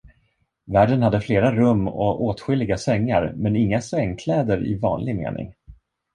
Värden hade flera rum och åtskilliga sängar, men inga sängkläder i vanlig mening.